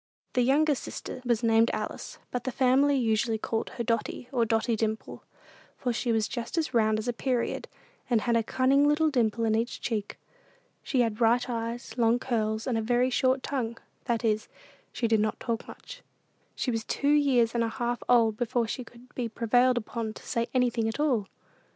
The youngest sister was named Alice, but the family usually called her Dotty, or Dotty Dimple, for she was about as round as a period, and had a cunning little dimple in each cheek. She had bright eyes, long curls, and a very short tongue; that is, she did not talk much. She was two years and a half old before she could be prevailed upon to say anything at all.